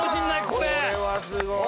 これはすごい！